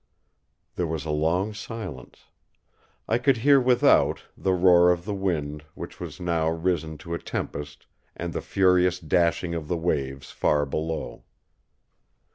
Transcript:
There was a long silence. I could hear without the roar of the wind, which was now risen to a tempest, and the furious dashing of the waves far below.